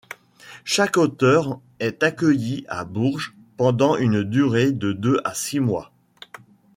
Chaque auteur est accueilli à Bourges pendant une durée de deux à six mois.